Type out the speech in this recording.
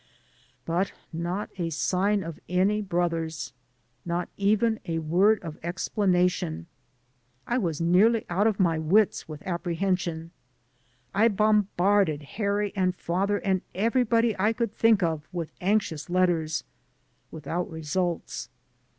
But not a sign of any brothers. Not even a word of explanation. I was nearly out of my wits with apprehension. I bombarded Harry and father and everybody I could think of with anxious letters, without results.